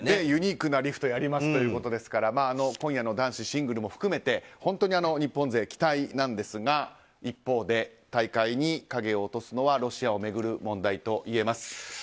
ユニークなリフトやりますということですから今夜の男子シングルも含めて日本勢、期待なんですが一方で大会に影を落とすのはロシアを巡る問題といえます。